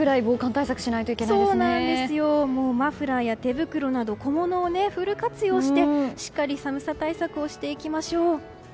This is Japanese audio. マフラーや手袋など小物をフル活用してしっかり寒さ対策をしていきましょう。